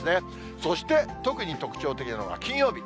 そしてとくに特徴的なのが金曜日。